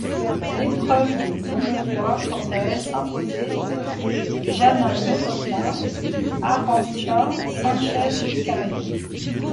L'épreuve de double voit quant à elle s'imposer Jana Novotná et Arantxa Sánchez Vicario.